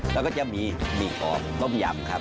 แล้วก็จะมีหมี่กออมต้มยำครับ